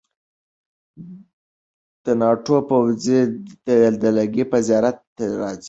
د ناټو پوځي دلګۍ به زیارت ته راځي.